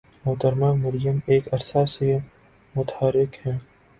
محترمہ مریم ایک عرصہ سے متحرک ہیں۔